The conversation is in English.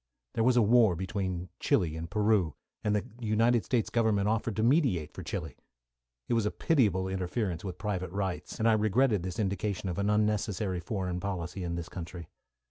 There was a war between Chili and Peru, and the United States Government offered to mediate for Chili. It was a pitiable interference with private rights, and I regretted this indication of an unnecessary foreign policy in this country.